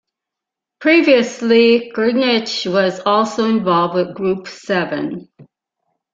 Previously, Grkinich was also involved with Group Seven.